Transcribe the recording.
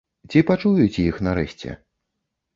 Ці пачуюць іх нарэшце?